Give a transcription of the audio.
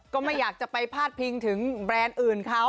ก็ไม่อยากจะไปพาดพิงถึงแบรนด์อื่นเขา